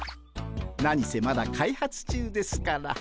何せまだ開発中ですから。